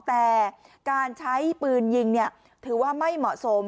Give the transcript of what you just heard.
แต่การใช้ปืนยิงถือว่าไม่เหมาะสม